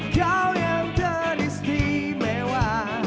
kau yang teristimewa